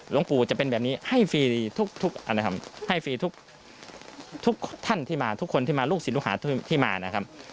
หลวงปู่จะเป็นแบบนี้ให้ฟรีทุกท่านที่มาทุกคนที่มาลูกศิษย์ลูกหาที่มานะครับ